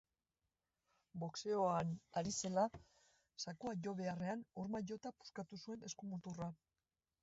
Boxeoan ari zela zakua jo beharrean horma jota puskatu du eskumuturra.